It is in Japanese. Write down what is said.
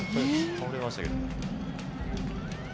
倒れましたけど。